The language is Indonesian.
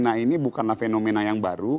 nah ini bukanlah fenomena yang baru